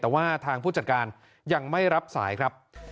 แต่ว่าทางผู้จัดการยังไม่รับสายครับ